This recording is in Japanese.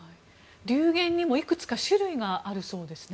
流言にもいくつか種類があるそうですね。